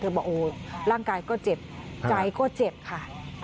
บอกโอ้ร่างกายก็เจ็บใจก็เจ็บค่ะ